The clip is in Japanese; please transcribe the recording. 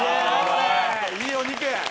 いいお肉！